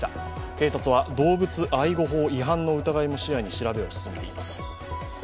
警察は動物愛護法違反の疑いも視野に調べています。